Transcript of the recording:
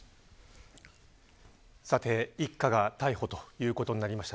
一家が逮捕ということになりました。